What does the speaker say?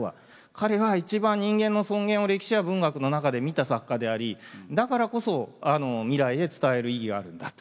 彼が一番人間の尊厳を歴史や文学の中で見た作家でありだからこそ未来へ伝える意義があるんだと。